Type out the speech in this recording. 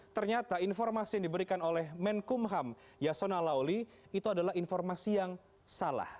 ternyata informasi yang diberikan oleh menkumham yasona lawli itu adalah informasi yang salah